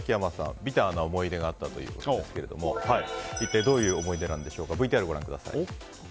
ビターな思い出があったということですが一体どういう思い出なんでしょうか。